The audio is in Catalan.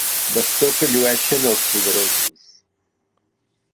Bastó que llueixen els poderosos.